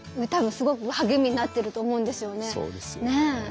多分すごく励みになってると思うんですよね。